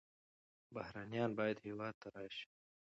بهرنیان باید هېواد ته راشي.